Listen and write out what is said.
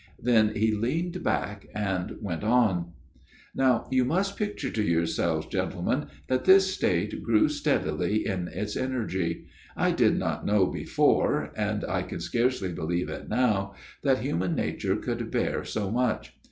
Then he leaned back, and went on. " Now you must picture to yourselves, gentle men, that this state grew steadily in its energy. I did not know before and I can scarcely believe it now that human nature could bear so much.